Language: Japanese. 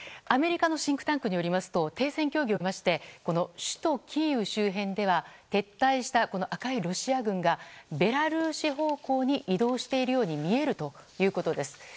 アメリカのシンクタンクによりますと停戦協議を受けまして首都キーウ周辺では撤退した赤いロシア軍がベラルーシ方向に移動しているように見えるということです。